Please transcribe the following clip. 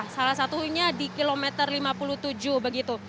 salah satunya di kilometer lima puluh tujuh begitu